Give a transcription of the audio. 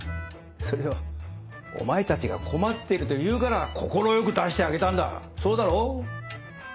それをお前たちが困ってると言うから快く出してあげたんだそうだろ？